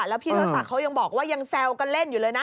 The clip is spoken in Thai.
แล้วพี่ทศศักดิ์เขายังบอกว่ายังแซวกันเล่นอยู่เลยนะ